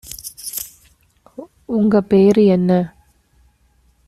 உங்க பேரு என்ன?